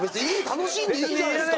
楽しんでいいじゃないですか。